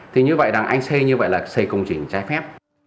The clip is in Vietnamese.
thì như vậy rằng anh xây như vậy là xây công trình trái phép